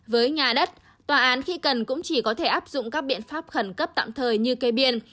với nhà đất tòa án khi cần cũng chỉ có thể áp dụng các biện pháp khẩn cấp tạm thời như cây biên